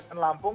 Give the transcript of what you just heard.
itu kan lampung